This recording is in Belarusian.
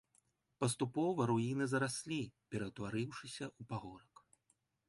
Паступова руіны зараслі, ператварыўшыся ў пагорак.